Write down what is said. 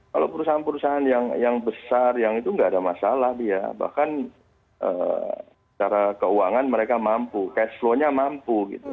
kalau perusahaan perusahaan yang besar yang itu nggak ada masalah dia bahkan secara keuangan mereka mampu cash flow nya mampu gitu